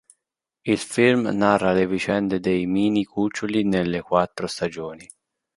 Il film narra le vicende dei Mini Cuccioli nelle quattro stagioni.